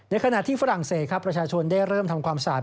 ขณะที่ฝรั่งเศสครับประชาชนได้เริ่มทำความสะอาด